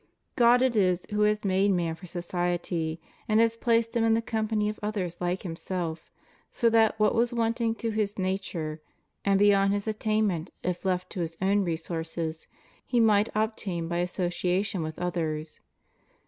God it is who has made man for society, and has placed him in the company of others like himself, so that what was wanting to his nature, and beyond his attain ment if left to his own resources, he might obtain by association with others.